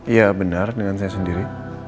iya benar dengan saya sendiri